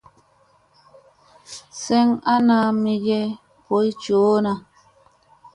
Seŋ ana mi ge boy coo na.